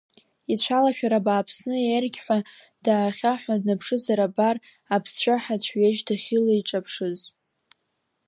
Ицәалашәара бааԥсны, еергьҳәа даахьаҳәын днаԥшызар абар аԥсцәаҳа цәҩежь дахьылеиҿаԥшыз.